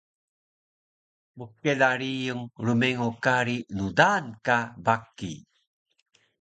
Mkela riyung rmengo kari ndaan ka baki